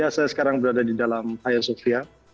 saya sekarang berada di dalam air sofia